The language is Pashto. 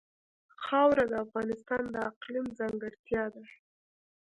خاوره د افغانستان د اقلیم ځانګړتیا ده.